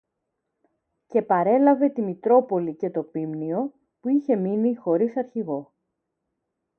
Και παρέλαβε τη Μητρόπολη και το ποίμνιο, που είχε μείνει χωρίς αρχηγό